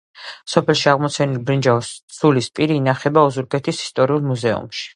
სოფელში აღმოჩენილი ბრინჯაოს ცულის პირი ინახება ოზურგეთის ისტორიულ მუზეუმში.